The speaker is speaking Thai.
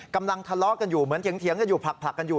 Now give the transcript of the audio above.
กำลังทะเลาะกันอยู่เหมือนเถียงกันอยู่ผลักกันอยู่